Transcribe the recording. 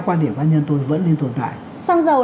quan điểm cá nhân tôi vẫn nên tồn tại xăng dầu